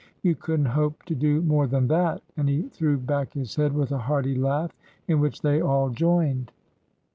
You could n't hope to do more than that !" And he threw back his head with a hearty laugh, in which they all joined.